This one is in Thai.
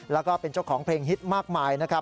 แล้วก็เป็นเจ้าของเพลงฮิตมากมายนะครับ